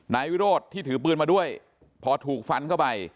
นายวิโรธที่ถือปืนมาด้วยพอถูกฟันเข้าไป